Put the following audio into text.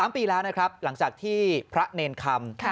๓ปีแล้วนะครับหลังจากที่พระเนรคำ